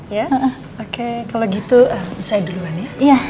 iya oke kalau gitu saya duluan ya